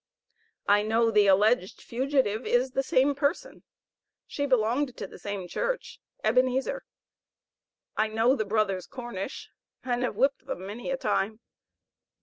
I know the alleged fugitive is the same person; she belonged to the same church, Ebenezer. I know the brothers Cornish, and have whipped them many a time.